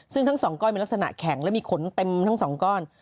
ซึ่งทั้ง๒ก้อนมีลักษณะแข็งและมีขนเต็มทั้ง๒ก้อน